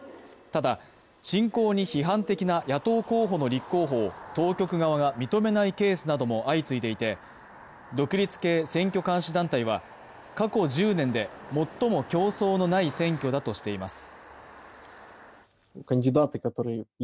ただ、侵攻に批判的な野党候補の立候補を当局側が認めないケースなども相次いでいて、独立系選挙監視団体は、過去１０年で最も競争のない選挙だとしています。